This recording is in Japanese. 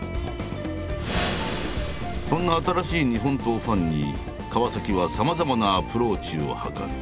そんな新しい日本刀ファンに川はさまざまなアプローチを図る。